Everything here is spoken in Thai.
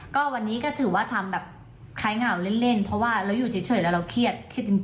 ก็วันนี้ก็ถือว่าทำแบบคล้ายเหงาเล่นเพราะว่าเราอยู่เฉยแล้วเราเครียดจริง